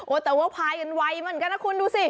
แต่ว่าพายกันไวเหมือนกันนะคุณดูสิ